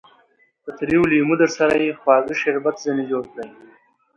که تريو لېمو درسره يي؛ خواږه شربت ځني جوړ کړئ!